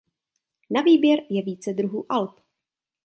Na výběr je více druhů alb.